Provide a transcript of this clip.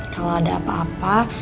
kalau ada apa apa